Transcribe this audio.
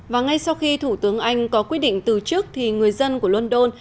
và ngay sau khi thủ tướng anh có quyết định từ chức thì người dân của london